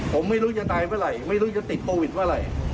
ผมไม่รู้จะตายเมื่อไหร่ไม่รู้จะติดโควิดเมื่อไหร่